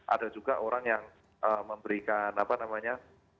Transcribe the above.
ada juga orang yang memberikan apa namanya